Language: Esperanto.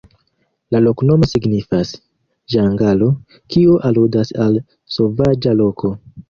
La loknomo signifas: ĝangalo, kio aludas al sovaĝa loko.